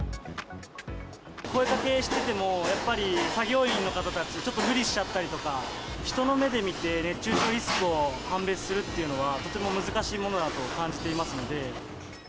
声かけしてても、やっぱり作業員の方たち、ちょっと無理しちゃったりとか、人の目で見て熱中症リスクを判別するっていうのは、とても難しいものだと感じていますので。